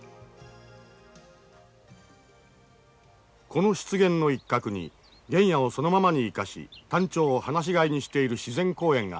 この湿原の一角に原野をそのままに生かしタンチョウを放し飼いにしている自然公園がある。